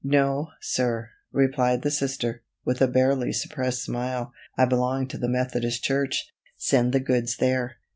"No, sir," replied the Sister, with a barely suppressed smile. "I belong to the Methodist church. Send the goods there."